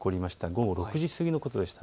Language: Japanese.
午後６時過ぎのことでした。